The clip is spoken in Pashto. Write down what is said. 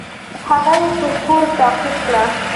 هغه يې تر کوره تعقيب کړى.